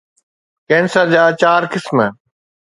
cancer جا چار قسم